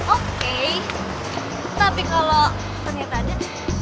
oke tapi kalau ternyata ada